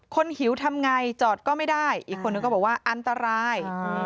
หิวทำไงจอดก็ไม่ได้อีกคนนึงก็บอกว่าอันตราย